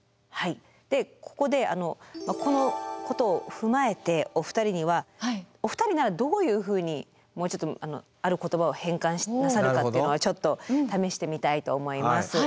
ここでこのことを踏まえてお二人ならどういうふうにもうちょっとある言葉を変換なさるかっていうのをちょっと試してみたいと思います。